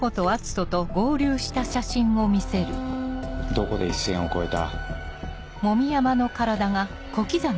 どこで一線を越えた？